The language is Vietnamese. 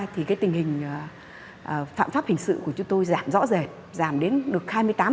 thì cái tình hình phạm pháp hình sự của chúng tôi giảm rõ rệt giảm đến được hai mươi tám